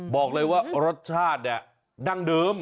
บอกเลยว่ารสชาติเนี่ยดั้งเดิม